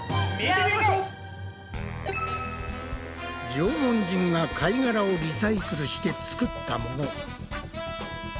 縄文人が貝がらをリサイクルしてつくったもの。